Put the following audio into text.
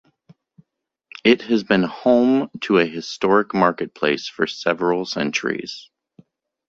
It has been home to a historic market place for several centuries.